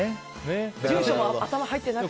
住所も頭に入ってなくて。